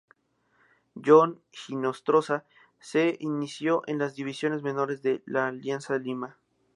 John Hinostroza se inició en las divisiones menores de Alianza Lima.